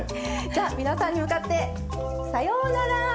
じゃあ皆さんに向かってさようなら。